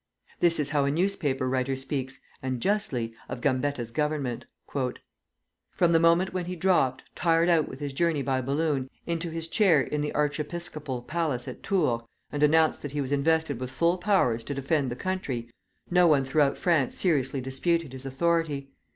This is how a newspaper writer speaks and justly of Gambetta's government: "From the moment when he dropped, tired out with his journey by balloon, into his chair in the archiepiscopal palace at Tours, and announced that he was invested with full powers to defend the country, no one throughout France seriously disputed his authority.